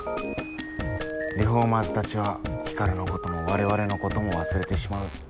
リフォーマーズたちはヒカルのことも我々のことも忘れてしまう。